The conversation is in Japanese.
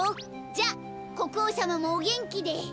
じゃこくおうさまもおげんきで。